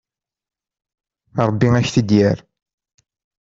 Rebbi ad ak-t-id-yerr.